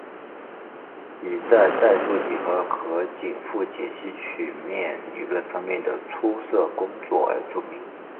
以在代数几何和紧复解析曲面理论方面的出色工作而著名。